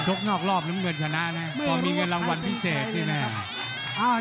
ชกนอกรอบหนึ่งเงินชนะนะก็มีเงินรางวัลพิเศษด้วยนะครับ